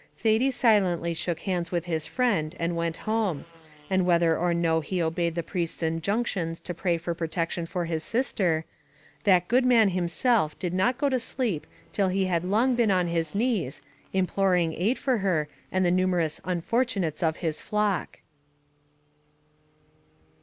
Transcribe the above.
Thady silently shook hands with his friend, and went home; and whether or no he obeyed the priest's injunctions to pray for protection for his sister, that good man himself did not go to sleep till he had long been on his knees, imploring aid for her, and the numerous unfortunates of his flock.